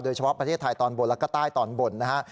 เฉพาะประเทศไทยตอนบนแล้วก็ใต้ตอนบนนะฮะ